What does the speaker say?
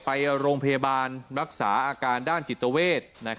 ไปโรงพยาบาลรักษาอาการด้านจิตเวท